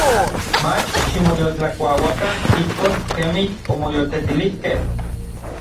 Mach ximoyoltlakuauakan ijkon kemij omoyoltetilijkej.